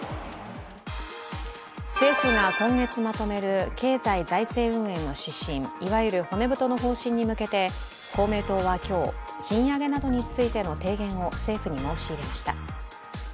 政府が今月まとめる経済財政運営の指針いわゆる骨太の方針に向けて公明党は今日、賃上げなどについての提言を政府に申し入れました。